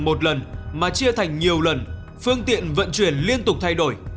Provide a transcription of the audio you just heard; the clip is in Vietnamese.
một lần mà chia thành nhiều lần phương tiện vận chuyển liên tục thay đổi